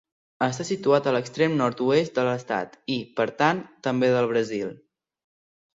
Està situat a l'extrem nord-oest de l'estat i, per tant, també del Brasil.